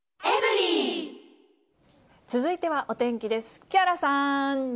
続いてはお天気です。